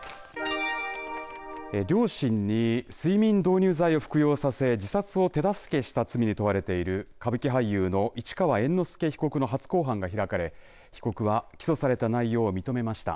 両親に睡眠導入剤を服用させ自殺を手助けした罪に問われている歌舞伎俳優の市川猿之助被告の初公判が開かれ被告は起訴された内容を認めました。